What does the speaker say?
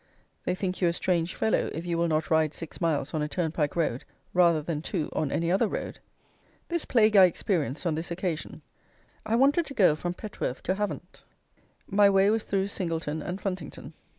They think you a strange fellow if you will not ride six miles on a turnpike road rather than two on any other road. This plague I experienced on this occasion. I wanted to go from Petworth to Havant. My way was through Singleton and Funtington.